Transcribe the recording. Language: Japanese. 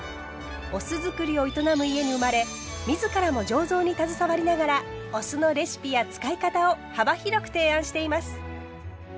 お酢造りを営む家に生まれ自らも醸造に携わりながらお酢のレシピや使い方を幅広く提案しています。